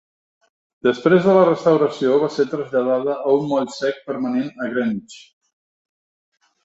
Després de la restauració, va ser traslladada a un moll sec permanent a Greenwich.